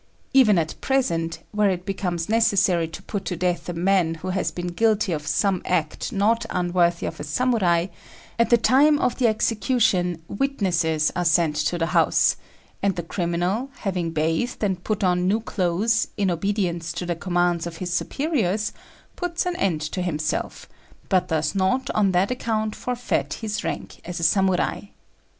Even at present, where it becomes necessary to put to death a man who has been guilty of some act not unworthy of a Samurai, at the time of the execution witnesses are sent to the house; and the criminal, having bathed and put on new clothes, in obedience to the commands of his superiors, puts an end to himself, but does not on that account forfeit his rank as a Samurai.